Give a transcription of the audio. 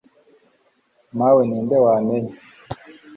mawe ni nde wamenya